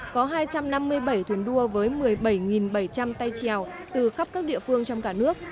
có hai trăm năm mươi bảy thuyền đua với một mươi bảy bảy trăm linh tay trèo từ khắp các địa phương trong cả nước